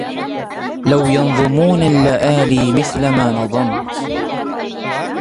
لو ينظمون اللآلي مثل ما نظمت